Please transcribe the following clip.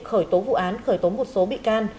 khởi tố vụ án khởi tố một số bị can